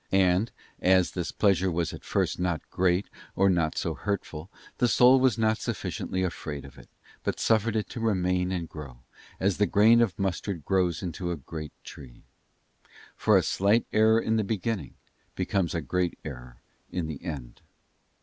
And as this pleasure was at first not great or not so hurtful, the soul was not sufficiently afraid of it, but suffered it to remain and grow, as the grain of mustard grows into a great tree. For a slight error in the beginning becomes a great error in the end.